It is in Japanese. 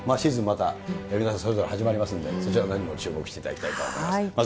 また皆さんそれぞれ始まりますんで、そちらのほうにも注目していただきたいと思います。